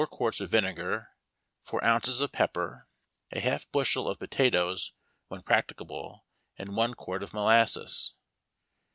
quarts of vinegar ; four ounces of pepper ; a half bushel of potatoes when practicable, and one quart of molasses.